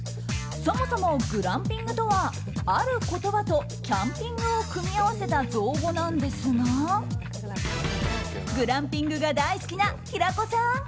そもそもグランピングとはある言葉とキャンピングを組み合わせた造語なんですがグランピングが大好きな平子さん